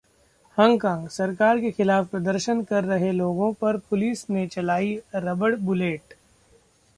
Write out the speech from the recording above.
Hong Kong: सरकार के खिलाफ प्रदर्शन कर रहे लोगों पर पुलिस ने चलाई रबड़ बुलेट